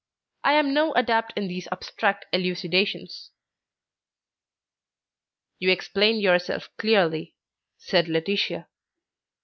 I am no adept in these abstract elucidations." "You explain yourself clearly," said Laetitia.